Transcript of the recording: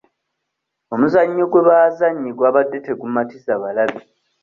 Omuzannyo gwe baazannye gwabadde tegumatiza balabi.